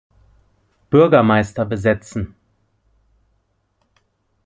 Bürgermeister besetzen.